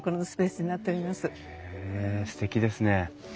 へえすてきですね。